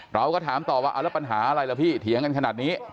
เราก็ถามต่อว่าเอาแล้วปัญหาอะไรล่ะพี่เถียงกันขนาดนี้